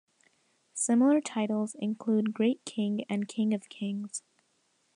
Similar titles include Great King and King of Kings.